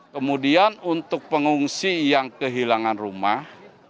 kemudian untuk pengungsi yang kehilangan rumah